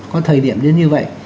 có thời điểm đến như vậy